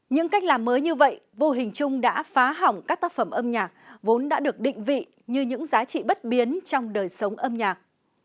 những cách làm mới như vậy vô hình chung đã phá hỏng các tác phẩm âm nhạc vốn đã được định vị như những giá trị bất biến trong đời sống âm nhạc